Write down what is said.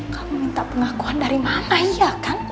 kamu minta pengakuan dari mana iya kan